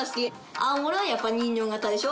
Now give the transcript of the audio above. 青森はやっぱ人形型でしょ。